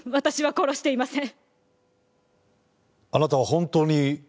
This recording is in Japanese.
殺していません。